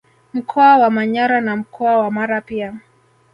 Mkoa wa Manyara na mkoa wa Mara pia